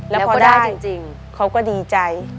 แล้วพอได้จริงเขาก็ดีใจ